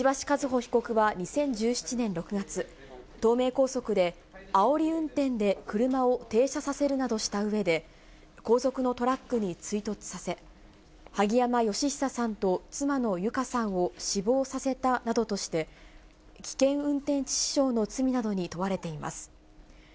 和歩被告は２０１７年６月、東名高速であおり運転で車を停車させるなどしたうえで、後続のトラックに追突させ、萩山嘉久さんと妻の友香さんを死亡させたなどとして、危険運転致死傷の罪などに問われています。